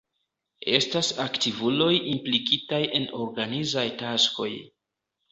Estas aktivuloj implikitaj en organizaj taskoj.